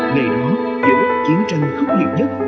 ngày đó giữa chiến tranh khốc liệt nhất